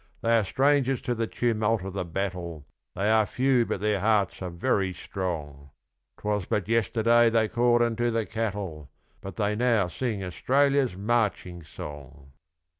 They are strangers to the tumult of the battle, They are few but their hearts are very strong, 'Twas but yesterday they called unto the cattle, But they now sing Australia's marching song.'